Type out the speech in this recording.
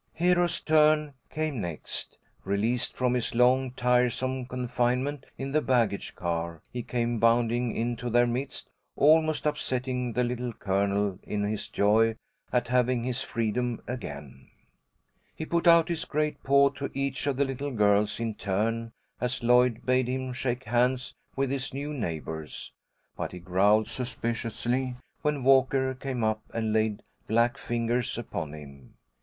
Hero's turn came next. Released from his long, tiresome confinement in the baggage car, he came bounding into their midst, almost upsetting the Little Colonel in his joy at having his freedom again. He put out his great paw to each of the little girls in turn as Lloyd bade him shake hands with his new neighbours, but he growled suspiciously when Walker came up and laid black fingers upon him.